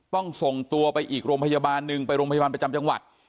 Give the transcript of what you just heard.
ต้องส่งตัวไปอีกโรงพยาบาลหนึ่งไปโรงพยาบาลประจำจังหวัด